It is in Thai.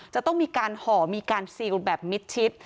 จะต้องมีการห่อมีการซิลแบบมิดชิด